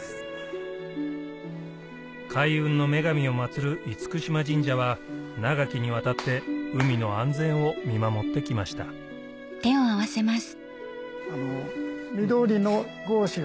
海運の女神を祭る嚴島神社は長きにわたって海の安全を見守ってきましたふん。